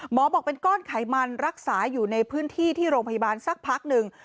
บอกเป็นก้อนไขมันรักษาอยู่ในพื้นที่ที่โรงพยาบาลสักพักหนึ่ง